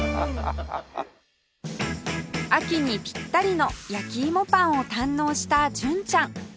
秋にぴったりの焼き芋パンを堪能した純ちゃん